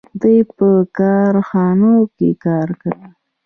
دوی په کارخانو کې کار کوي.